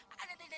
aduh aduh aduh